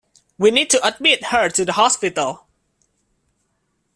We need to admit her to the hospital.